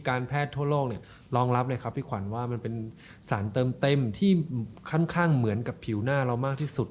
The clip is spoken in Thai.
การแพทย์ทั่วโลกเนี่ยรองรับเลยครับพี่ขวัญว่ามันเป็นสารเติมเต็มที่ค่อนข้างเหมือนกับผิวหน้าเรามากที่สุด